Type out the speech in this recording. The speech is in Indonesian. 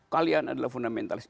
kalian adalah fundamentalis